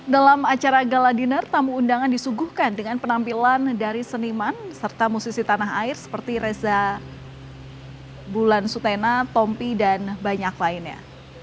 dalam acara gala dinner tamu undangan disuguhkan dengan penampilan dari seniman serta musisi tanah air seperti reza bulan sutena tompi dan banyak lainnya